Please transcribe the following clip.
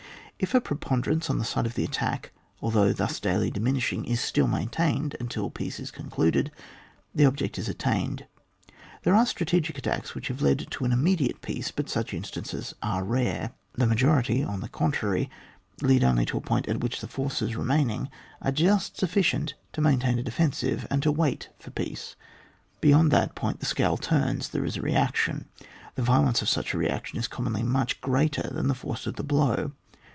If a preponderance on the side of the attack, although thus daily diminishing, is still maintained until peace is concluded, the object IB attained. — There are strategic attacks which have led to an immediate peace — but such instances are rare ; the majority, on the contrary, lead only to a point at which the forces remaining are just sufficient to maintain a defensive, and to wait for peace. — Beyond that point the scale turns, there is a reaction ; the violence of such a reaction is com monly much greater than the force of the blow.